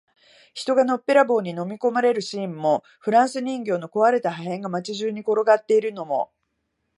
人がのっぺらぼうに飲み込まれるシーンも、フランス人形の壊れた破片が街中に転がっているのも、